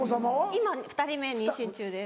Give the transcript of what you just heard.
今２人目妊娠中です。